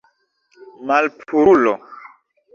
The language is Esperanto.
Malpurulo.